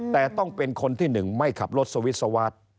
แต่ต้องเป็นคนที่หนึ่งไม่ขับรถสวิสวาส